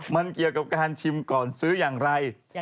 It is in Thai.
มันเกี่ยวกับการชิมก่อนซื้ออย่างไร